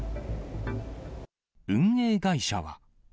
運営会社は。